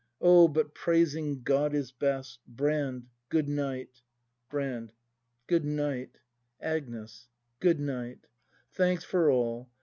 Oh, but praising God is best! Brand, good night! Brand. Good night ! Agnes. Thanks for all.